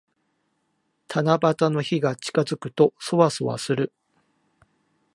七夕の日が近づくと、そわそわする。